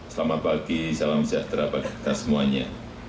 selamat pagi salam sejahtera bagi kita semuanya